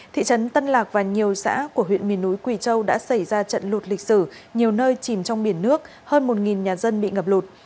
thị trấn tân lạc và nhiều xã của huyện miền núi quỳ châu đã xảy ra trận lụt lịch sử nhiều nơi chìm trong biển nước hơn một nhà dân bị ngập lụt